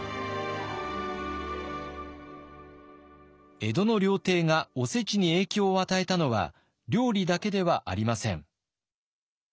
江戸の料亭がおせちに影響を与えたのは料理だけではありません。